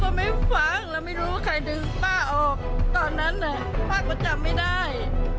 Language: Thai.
ไม่ฟังเราไม่รู้ว่าใครดึงป้าออกตอนนั้นน่ะป้าก็จำไม่ได้